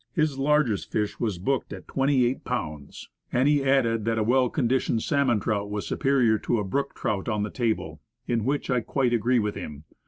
His largest fish was booked at twenty eight pounds, and he added that a well conditioned salmon trout was superior to a brook trout on the table; in which I quite agree with him.